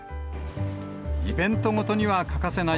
イベントごとには欠かせない